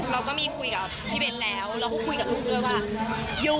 เราก็มีคุยกับพี่เบ้นแล้วเราก็คุยกับลูกด้วยว่า